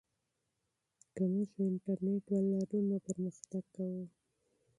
که موږ انټرنیټ ولرو نو پرمختګ کوو.